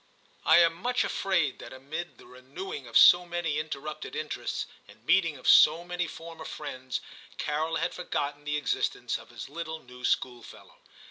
I am much afraid that amid the renewing of so many interrupted interests, and meeting of so many former friends, Carol had forgotten the existence of his little new schoolfellow.